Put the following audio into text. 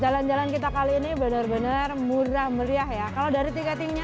jalan jalan kita kali ini benar benar murah meriah ya kalau dari tiketingnya